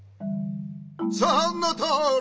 ・そのとおり！